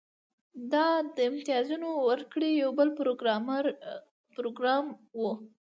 دا د امتیازونو ورکړې یو بل پروګرام و